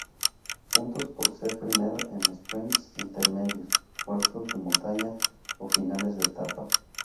Puntos por ser primero en sprints intermedios, puertos de montaña o finales de etapa.